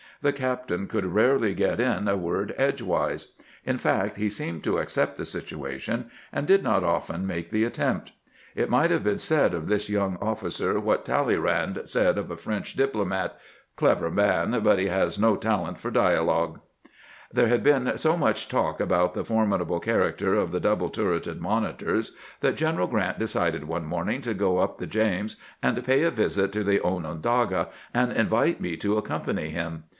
The captain could rarely get in a word edgewise. In fact, he seemed to accept the situa tion, and did not often make the attempt. It might 376 CAMPAIGNING WITH GEANT have been said of this young officer what Talleyrand said of a French diplomat :" Clever man, but he has no talent for dialogue." There had been so much talk about the formidable character of the double turreted monitors that General Grant decided one morning to go up the James and pay a visit to the Onondaga, and invited me to accompany him.